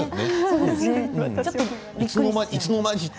いつの間に？って。